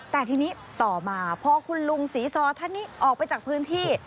แต่ทีนี้ต่อมาพอคุณลุงศรีซอท่านนี้ออกไปจากพื้นที่